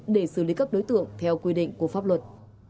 để xử lý các đối tượng theo quy định của pháp luật